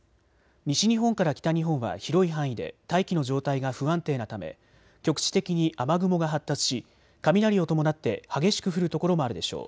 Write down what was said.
西日本から北日本は広い範囲で大気の状態が不安定なため局地的に雨雲が発達し雷を伴って激しく降る所もあるでしょう。